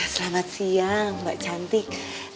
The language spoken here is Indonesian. selamat siang mbak cantik